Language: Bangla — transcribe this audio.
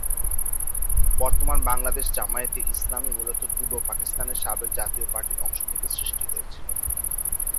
বর্তমান বাংলাদেশ জামায়াতে ইসলামী মূলত পূর্ব পাকিস্তানের সাবেক জাতীয় পার্টির অংশ থেকে সৃষ্টি হয়েছিল।